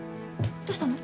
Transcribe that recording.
どうしたの？